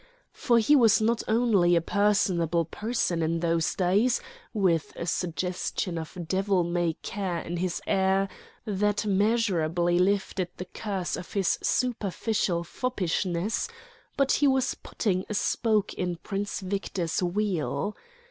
For he was not only a personable person in those days, with a suggestion of devil may care in his air that measurably lifted the curse of his superficial foppishness, but he was putting a spoke in Prince Victor's wheel.